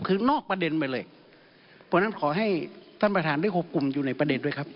คือนอกประเด็นไปเลยเพราะฉะนั้นขอให้ท่านประธานได้ควบคุมอยู่ในประเด็นด้วยครับ